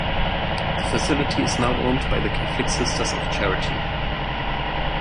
The facility is now owned by the Catholic Sisters of Charity.